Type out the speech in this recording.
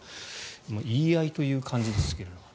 言い合いという感じですけれども。